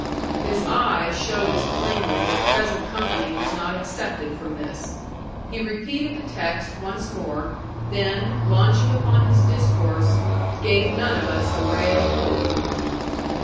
His eye showed us plainly that present company was not excepted from this. He repeated the text once more, then, launching upon his discourse, gave none of us a ray of hope.